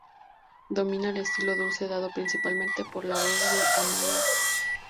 Domina el estilo dulce dado principalmente por la voz de Amaia.